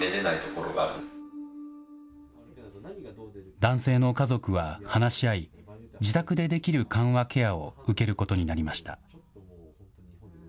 男性の家族は話し合い、自宅でできる緩和ケアを受けることになりました。